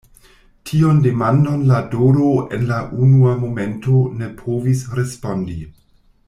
Tiun demandon la Dodo en la unua momento ne povis respondi.